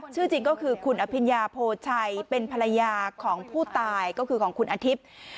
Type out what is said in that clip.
ชื่อจริงก็คือคุณอภิญญาโพชัยเป็นภรรยาของผู้ตายก็คือของคุณอาทิตย์